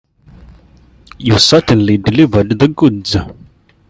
You certainly delivered the goods.